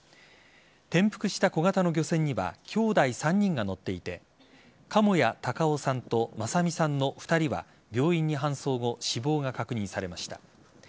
転覆した小型の漁船には兄弟３人が乗っていて鴨谷隆夫さんと昌三さんの２人は病院に搬送後死亡が確認されました。